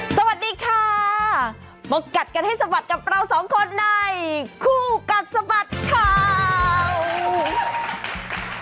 สวัสดีค่ะมากัดกันให้สะบัดกับเราสองคนในคู่กัดสะบัดข่าว